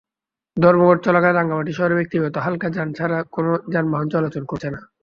ধর্মঘট চলাকালে রাঙামাটি শহরে ব্যক্তিগত হালকা যান ছাড়া কোনো যানবাহন চলাচল করছে না।